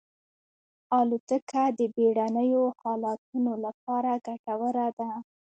الوتکه د بېړنیو حالتونو لپاره ګټوره ده.